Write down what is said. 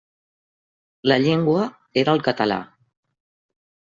La llengua era el català.